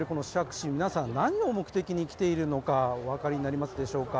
市、皆さん、何を目的に来ているのか、お分かりになりますでしょうか。